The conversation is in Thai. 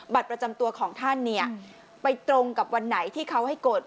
ประจำตัวของท่านเนี่ยไปตรงกับวันไหนที่เขาให้กด